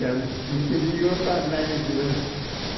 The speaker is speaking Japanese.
別に違和感ないですよね。